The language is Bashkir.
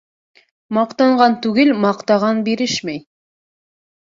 Маҡтанған түгел, маҡтаған бирешмәй.